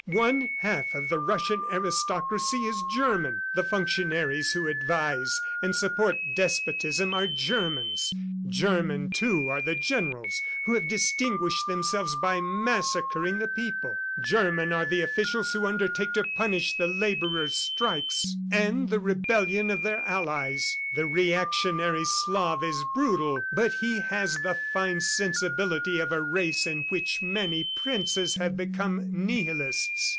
One half of the Russian aristocracy is German; the functionaries who advise and support despotism are Germans; German, too, are the generals who have distinguished themselves by massacring the people; German are the officials who undertake to punish the laborers' strikes and the rebellion of their allies. The reactionary Slav is brutal, but he has the fine sensibility of a race in which many princes have become Nihilists.